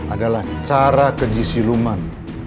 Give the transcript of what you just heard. adalah cara keji siluman